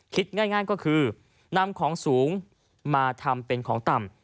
คิดง่ายก็คือนำของสูงมาทำเป็นของต่ำ